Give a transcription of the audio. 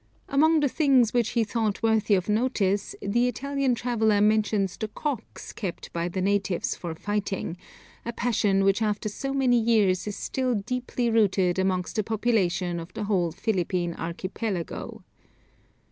Among the things which he thought worthy of notice, the Italian traveller mentions the cocks kept by the natives for fighting; a passion which after so many years is still deeply rooted amongst the population of the whole Philippine Archipelago.